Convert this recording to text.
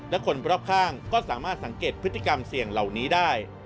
และคนรอบข้างก็สามารถสังเกตพฤติกรรมเสี่ยงเหล่านี้ได้